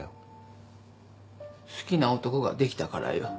好きな男ができたからよ。